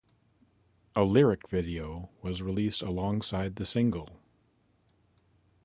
A lyric video was released alongside the single.